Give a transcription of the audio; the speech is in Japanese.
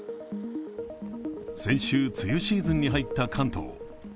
先週、梅雨シーズンに入った関東。